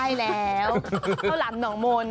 ใช่แล้วข้าวหลามหนองมนต์